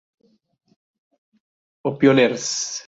O Pioneers!